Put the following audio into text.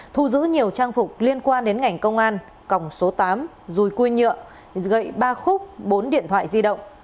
thu giữ nhiều trang phục liên quan đến ngành công an còng số tám rùi cua nhựa gậy ba khúc bốn điện thoại di động